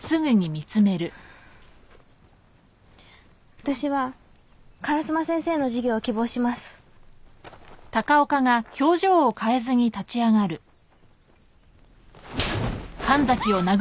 私は烏間先生の授業を希望しますキャー！